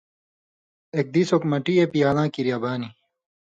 اک دیس اوک مٹی اے پیالاں کریا بانیۡ